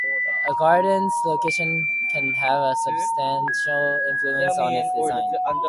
A garden's location can have a substantial influence on its design.